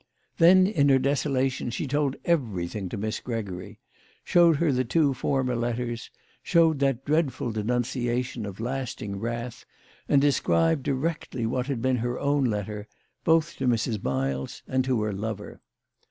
Then in her desolation she told everything to Miss Gregory showed the two former letters, showed that dreadful denunciation of lasting wrath, and described exactly what had been her own letter, both to Mrs. Miles and to her lover.